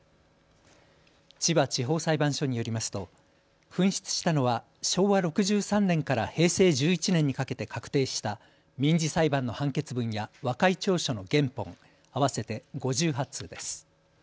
千葉地方裁判所によりますと紛失したのは昭和６３年から平成１１年にかけて確定した民事裁判の判決文や和解調書の原本合わせて５８通です。